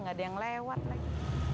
nggak ada yang lewat lagi